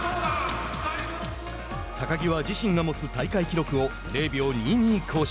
高木は自信が持つ大会記録を０秒２２更新。